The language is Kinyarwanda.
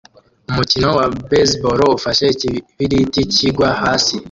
Umukino wa baseball ufashe ikibiriti kigwa hasi